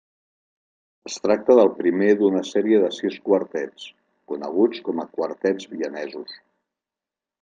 Es tracta del primer d'una sèrie de sis quartets, coneguts com a Quartets vienesos.